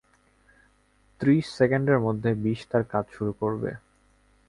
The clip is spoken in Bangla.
ত্রিশ সেকেন্ডের মধ্যে বিষ তার কাজ শুরু করবে।